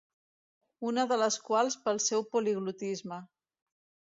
Una de les quals pel seu poliglotisme.